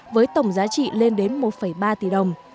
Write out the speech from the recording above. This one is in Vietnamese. với tổng giá trị lên đến một ba tỷ đồng